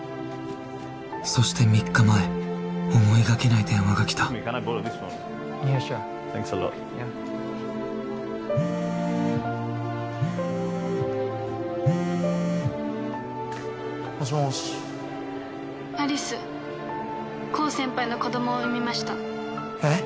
そして３日前思いがけない電話がきたもしもし☎有栖コウ先輩の子どもを産みましたえっ？